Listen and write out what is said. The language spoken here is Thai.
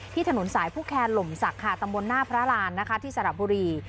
ที่ถนนสายภูเครหล่มศักดิ์ค่ะตำบลหน้าพระรานที่สลับบุรี